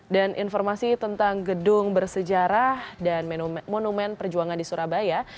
dan informasi tentang gedung bersejarah dan monumen perjuangan di surabaya